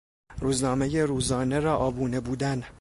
روزنامهی روزانه را آبونه بودن